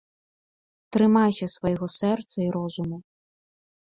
Трымайся свайго сэрца і розуму.